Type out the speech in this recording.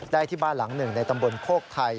ที่บ้านหลังหนึ่งในตำบลโคกไทย